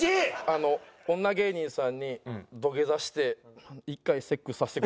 あの女芸人さんに土下座して１回セックスさせてくださいって。